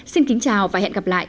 xin kính chào và hẹn gặp lại